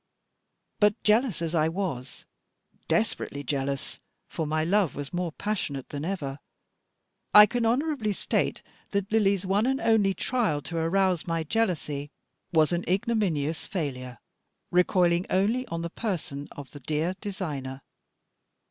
But, jealous as I was, desperately jealous, for my love was more passionate than ever, I can honourably state that Lily's one and only trial to arouse my jealousy was an ignominious failure, recoiling only on the person of the dear designer.